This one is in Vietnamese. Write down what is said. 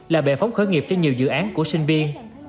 là bẻ phóng khởi nghiệp cho nhiều dự án của sinh viên